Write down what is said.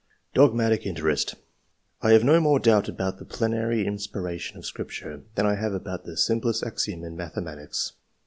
Dogmatic interest. —" I have no more doubt about the plenary inspiration of Scripture than I have about the simplest axiom in mathematics."